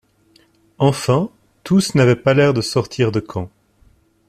Enfin, tous n’avaient pas l’air de sortir de camps